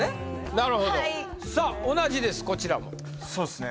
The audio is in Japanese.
なるほどさあ同じですこちらもそうっすね